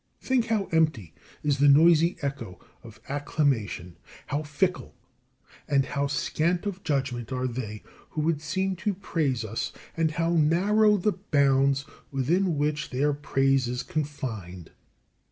Think how empty is the noisy echo of acclamation; how fickle and how scant of judgment are they who would seem to praise us, and how narrow the bounds within which their praise is confined.